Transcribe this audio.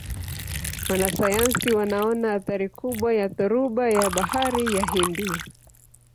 wanasayansi wanaona athari kubwa ya dhoruba ya bahari ya hindi